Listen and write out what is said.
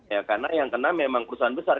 ya karena yang kena memang perusahaan besar